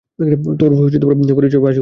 তোর পরিচয় ফাঁস হয়ে গেছে, শয়তান!